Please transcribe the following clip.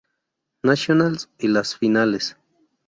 Nationals y las Finales.